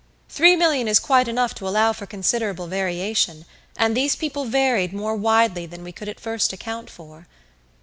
Three million is quite enough to allow for considerable variation, and these people varied more widely than we could at first account for.